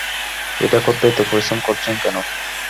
এটা করতে এতো পরিশ্রম করছেন কেন?